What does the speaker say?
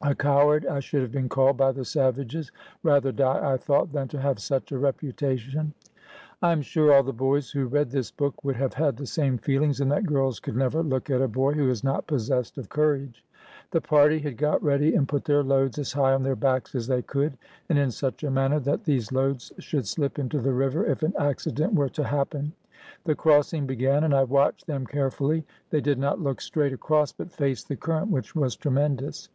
A coward I should have been called by the savages. Rather die, I thought, than to have such a reputation. I am sure all the boys who read this book would have had the same feelings, and that girls could never look at a boy who is not possessed of courage. The party had got ready, and put their loads as high on their backs as they could, and in such a manner that these loads should slip into the river if an accident were to happen. The crossing began, and I watched them care fully. They did not look straight across, but faced the current, which was tremendous.